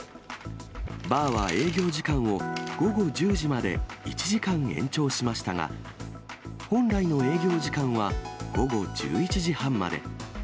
バーは営業時間を午後１０時まで１時間延長しましたが、本来の営業時間は午後１１時半まで。